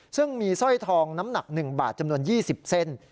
ซึ่งมีสร้อยทองน้ำหนัก๑บาทจำนวน๒๐เส้น